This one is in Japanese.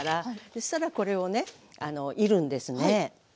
そしたらこれをねいるんですね。